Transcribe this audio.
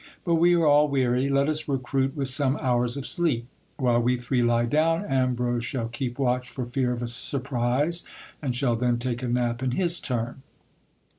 But we are all weary, let us recruit with some hours of sleep. While we three lie down, Ambrose shall keep watch for fear of £. surprise, and shall then take a nap in his turn.